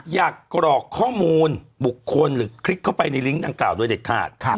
กรอกข้อมูลบุคคลหรือคลิกเข้าไปในลิงก์ดังกล่าวโดยเด็ดขาด